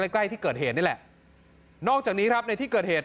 ใกล้ใกล้ที่เกิดเหตุนี่แหละนอกจากนี้ครับในที่เกิดเหตุ